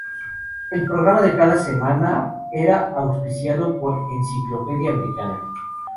El programa de cada semana era auspiciado por Encyclopedia Americana.